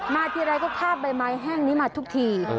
ทีไรก็คาบใบไม้แห้งนี้มาทุกที